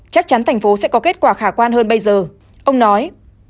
chắc chắn thành phố sẽ có kết quả khả quan hơn bây giờ ông nói